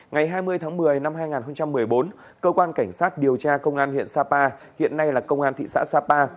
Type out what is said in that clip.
ngày hai mươi tháng một mươi năm hai nghìn một mươi bốn cơ quan cảnh sát điều tra công an huyện sapa hiện nay là công an thị xã sapa